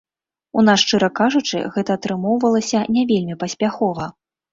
У нас, шчыра кажучы, гэта атрымоўвалася не вельмі паспяхова.